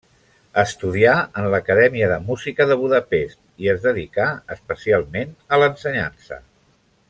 Estudià en l'Acadèmia de Música de Budapest i es dedicà especialment a l'ensenyança.